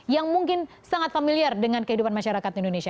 yang mungkin sangat familiar dengan kehidupan masyarakat indonesia